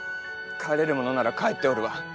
帰れるものなら帰っておるわ。